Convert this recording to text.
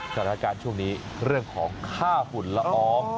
สถานการณ์ช่วงนี้เรื่องของค่าฝุ่นละออง